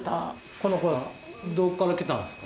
この子はどっから来たんですか？